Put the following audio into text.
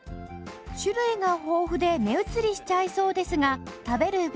種類が豊富で目移りしちゃいそうですが食べる分